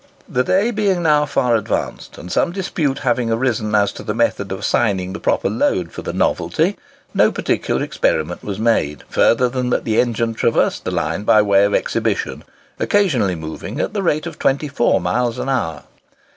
The day being now far advanced, and some dispute having arisen as to the method of assigning the proper load for the "Novelty," no particular experiment was made, further than that the engine traversed the line by way of exhibition, occasionally moving at the rate of 24 miles an hour.